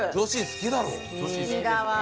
好きだわあ。